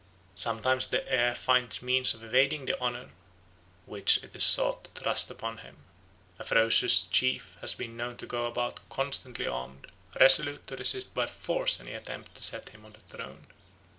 Sometimes the heir finds means of evading the honour which it is sought to thrust upon him; a ferocious chief has been known to go about constantly armed, resolute to resist by force any attempt to set him on the throne.